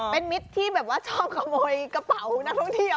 เป็นมิตรที่แบบว่าชอบขโมยกระเป๋านักท่องเที่ยว